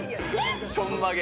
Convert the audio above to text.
ちょんまげ。